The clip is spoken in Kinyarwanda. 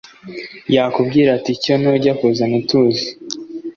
Yakubwira ati "cyonoJya kuzana utuzi"